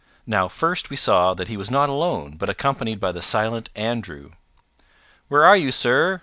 Now first we saw that he was not alone, but accompanied by the silent Andrew. "Where are you, sir?"